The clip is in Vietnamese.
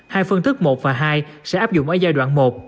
hai phương thức một và hai sẽ áp dụng ở giai đoạn một